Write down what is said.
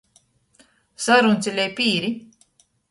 Saruncelej pīri.